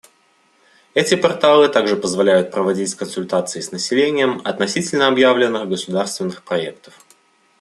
Эти порталы также позволяют проводить консультации с населением относительно объявленных государственных проектов.